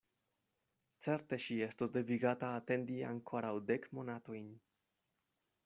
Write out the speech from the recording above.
Certe ŝi estos devigata atendi ankoraŭ dek monatojn.